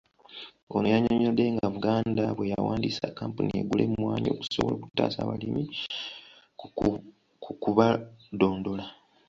Ono yannyonnyodde nga Buganda bwe yawandiisa kkampuni egula emmwanyi okusobola okutaasa abalimi ku ku kubadondola.